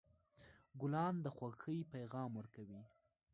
ګلان د خوښۍ پیغام ورکوي.